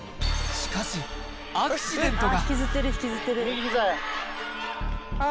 しかし、アクシデントが。